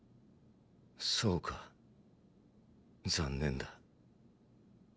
そうか残念だ。